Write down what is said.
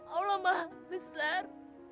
allah maha besar